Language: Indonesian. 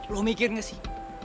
lu mikir gak sih